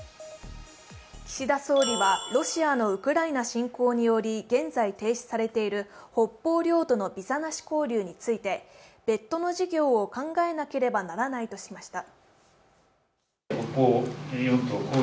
岸田総理はロシアのウクライナ侵攻により現在停止されている北方領土のビザなし交流について別途の事業を考えなければならないとしました。